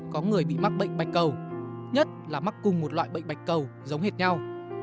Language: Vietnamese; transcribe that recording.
có người bị mắc bệnh bạch cầu nhất là mắc cùng một loại bệnh bạch cầu giống hệt nhau